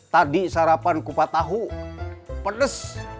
tadi sarapan kupat tahu pedas